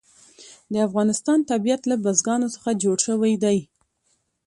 د افغانستان طبیعت له بزګانو څخه جوړ شوی دی.